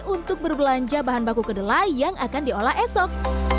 untuk berbelanja bahan baku kedelai yang akan diolah esok